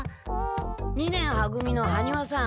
二年は組の羽丹羽さん。